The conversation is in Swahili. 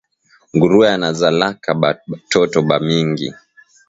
Nguruwe anazalaka ba toto ba mingi